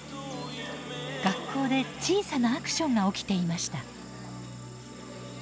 学校で小さなアクションが起きていました。